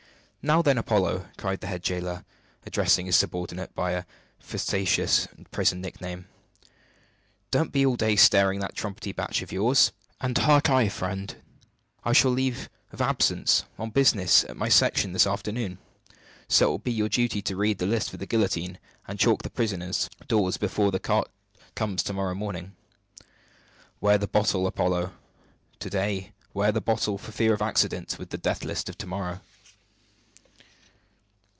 "Now then, Apollo!" cried the head jailer, addressing his subordinate by a facetious prison nickname, "don't be all day starting that trumpery batch of yours. And harkye, friend, I have leave of absence, on business, at my Section this afternoon. So it will be your duty to read the list for the guillotine, and chalk the prisoners' doors before the cart comes to morrow morning. 'Ware the bottle, Apollo, to day; 'ware the bottle, for fear of accidents with the death list to morrow."